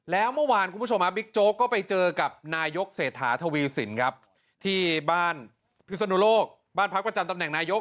แล้วเมื่อวานคุณผู้ชมบิ๊กโจ๊กก็ไปเจอกับนายกเศรษฐาทวีสินครับที่บ้านพิศนุโลกบ้านพักประจำตำแหน่งนายก